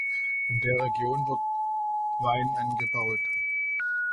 In der Region wird Wein angebaut.